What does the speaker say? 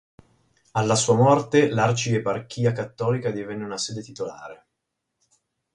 Alla sua morte l'arcieparchia cattolica divenne una sede titolare.